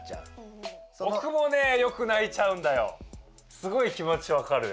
すごい気もちわかるよ。